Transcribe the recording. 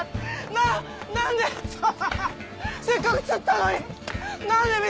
ななんでせっかく釣ったのに。